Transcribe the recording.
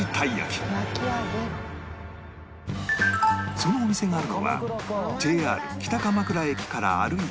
そのお店があるのは ＪＲ 北鎌倉駅から歩いて